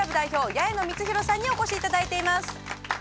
八重野充弘さんにお越しいただいています！